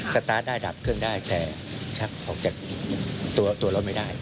สตาร์ทได้ดับเครื่องได้แต่ชักออกจากตัวรถไม่ได้